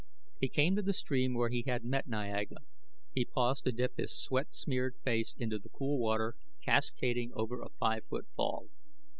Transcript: He came to the stream where he had met Niaga; he paused to dip his sweat smeared face into the cool water cascading over a five foot fall.